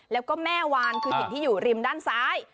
แล้วก็แม่วานคือหินที่อยู่ริมด้านซ้าย